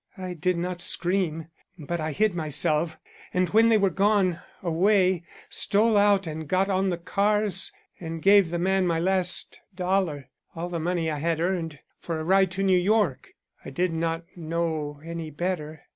I did not scream, but I hid myself, and when they were gone away stole out and got on the cars, and gave the man my last dollar all the money I had earned for a ride to New York. I did not know any better.